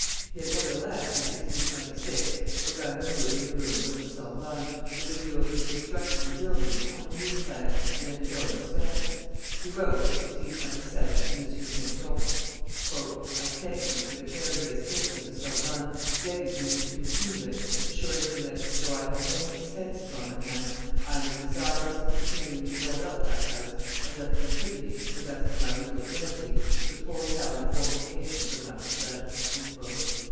He had, nevertheless, in 1626, begun removing the ruins of the Sorbonne, with a view of reconstructing the buildings on a new plan and at his own expense. He wrote, in 1627, to M. Saintot, "I thank him for the care he has taken of the Sorbonne, begging him to continue it, assuring him that, though I have many expenses on my hands, I am as desirous of continuing to build up that house as of contributing, to the best of my little ability, to pull down the fortifications of La Rochelle."